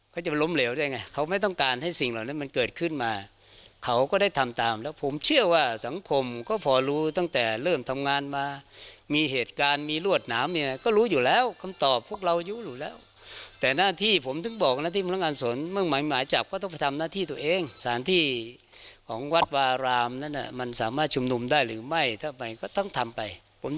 เขาจะล้มเหลวได้ไงเขาไม่ต้องการให้สิ่งเหล่านั้นมันเกิดขึ้นมาเขาก็ได้ทำตามแล้วผมเชื่อว่าสังคมก็พอรู้ตั้งแต่เริ่มทำงานมามีเหตุการณ์มีรวดหนามเนี่ยก็รู้อยู่แล้วคำตอบพวกเรารู้อยู่แล้วแต่หน้าที่ผมถึงบอกหน้าที่พนักงานสวนมุ่งหมายหมายจับก็ต้องไปทำหน้าที่ตัวเองสถานที่ของวัดวารามนั้นมันสามารถชุมนุมได้หรือไม่ถ้าไปก็ต้องทำไปผม